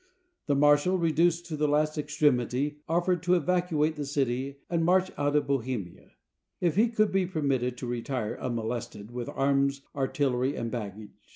The marshal, reduced to the last extremity, offered to evacuate the city and march out of Bohemia, if he could be permitted to retire unmolested, with arms, artillery, and baggage.